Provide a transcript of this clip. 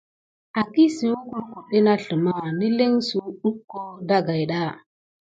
Akisuwək lukuɗɗe na sləma nilin suduho dagida.